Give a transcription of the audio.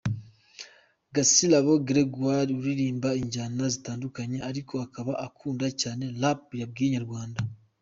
Gasirabo Gregoir uririmba injyana zitandukanye ariko akaba akunda cyane Rap, yabwiye inyarwanda.